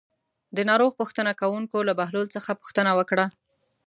د ناروغ پوښتنه کوونکو له بهلول څخه پوښتنه وکړه.